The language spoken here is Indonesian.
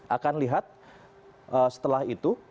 akan lihat setelah itu